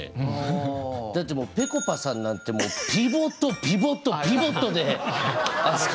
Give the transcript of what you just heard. だってもうぺこぱさんなんてピボットピボットピボットであそこに。